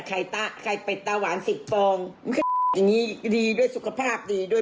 ไก่ต้าไก่เป็ดตาหวานสิบตองมันก็อย่างงี้ดีด้วยสุขภาพดีด้วย